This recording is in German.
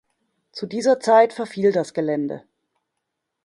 Zu dieser Zeit verfiel das Gelände.